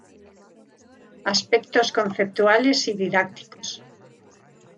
Aspectos conceptuales y didácticos.